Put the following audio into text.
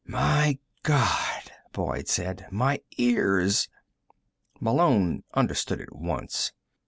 "My God," Boyd said. "My ears!" Malone understood at once.